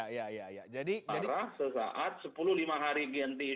parah sesaat sepuluh lima hari ganti isu lain selesai case closed